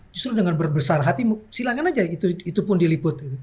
justru dengan berbesar hati silakan aja itu pun diliput